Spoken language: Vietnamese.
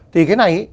thì cái này